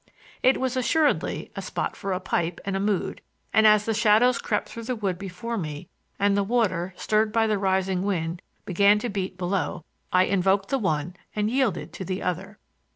It was assuredly a spot for a pipe and a mood, and as the shadows crept through the wood before me and the water, stirred by the rising wind, began to beat below, I invoked the one and yielded to the other.